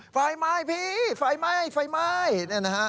ไฟไม้พี่ไฟไม้นี่นะครับ